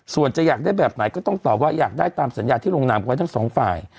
ส่วนจะอยากได้แบบไหนก็ต้องตอบว่าอยากได้ตามสัญญาที่ลงนามกันไว้ทั้งสองฝ่าย